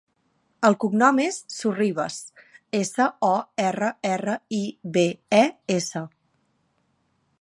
El cognom és Sorribes: essa, o, erra, erra, i, be, e, essa.